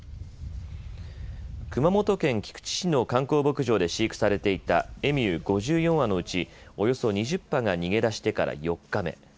熊本県菊池市の観光牧場で飼育されていたエミュー５４羽のうち、およそ２０羽が逃げ出してから４日目。